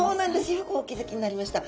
よくお気づきになりました。